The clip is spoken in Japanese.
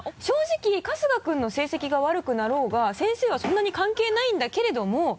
正直春日君の成績が悪くなろうが先生はそんなに関係ないんだけれども。